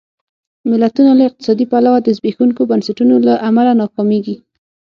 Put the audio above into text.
ملتونه له اقتصادي پلوه د زبېښونکو بنسټونو له امله ناکامېږي.